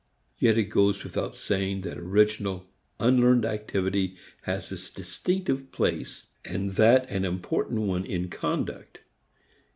Yet it goes without saying that original, unlearned activity has its distinctive place and that an important one in conduct.